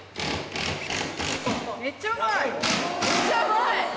めっちゃうまい！